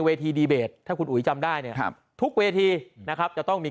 ดีเบตถ้าคุณอุ๋ยจำได้เนี่ยครับทุกเวทีนะครับจะต้องมี